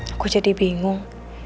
aku jadi bingung